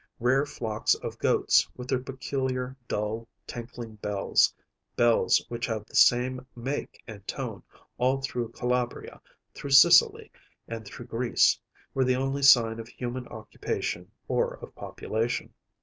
Rare flocks of goats, with their peculiar, dull, tinkling bells‚ÄĒbells which have the same make and tone all through Calabria, through Sicily, and through Greece‚ÄĒwere the only sign of human occupation or of population.